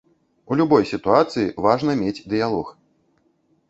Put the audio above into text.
У любой сітуацыі важна мець дыялог.